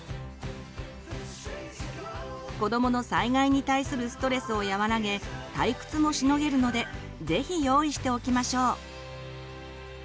子どもの災害に対するストレスを和らげ退屈もしのげるので是非用意しておきましょう。